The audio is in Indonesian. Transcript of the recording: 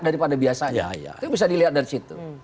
daripada biasanya itu bisa dilihat dari situ